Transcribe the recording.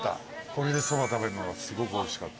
これでそば食べるのがすごくおいしかった。